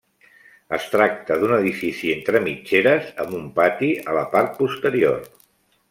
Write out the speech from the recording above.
Es tracta d'un edifici entre mitgeres amb un pati a la part posterior.